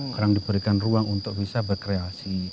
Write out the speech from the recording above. kurang diberikan ruang untuk bisa berkreasi